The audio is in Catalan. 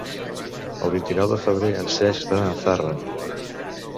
El vint-i-nou de febrer en Cesc va a Zarra.